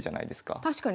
確かに。